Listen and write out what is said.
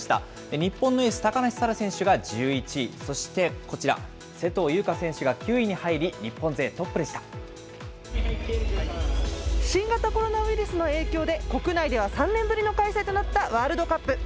日本のエース、高梨沙羅選手が１１位、そして、こちら、勢藤優花選手が９位に入り、日本勢トップ新型コロナウイルスの影響で、国内では３年ぶりの開催となったワールドカップ。